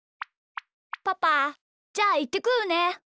パパじゃあいってくるね。